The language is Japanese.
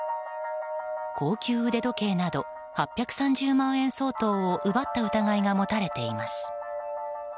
高級腕時計など８３０万円相当を奪った疑いが持たれています。